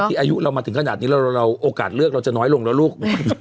อายุเรามาถึงขนาดนี้เราโอกาสเลือกเราจะน้อยลงแล้วลูก